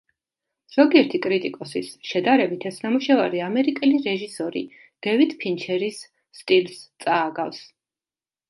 ზოგიერთი კრიტიკოსის შედარებით ეს ნამუშევარი ამერიკელი რეჟისორი დევიდ ფინჩერის სტილს წააგავს.